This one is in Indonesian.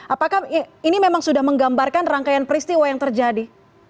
apakah ini memang sudah menggambarkan rangkaian peristiwa yang terjadi